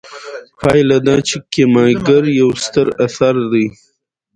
پایله دا چې کیمیاګر یو ستر اثر دی.